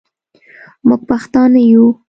موږ پښتانه یو